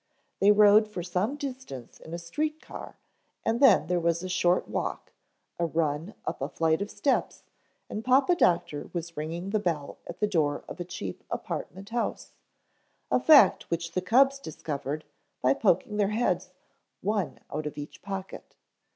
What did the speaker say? They rode for some distance in a street car and then there was a short walk, a run up a flight of steps and Papa Doctor was ringing the bell at the door of a cheap apartment house, a fact which the cubs discovered by poking their heads one out of each pocket.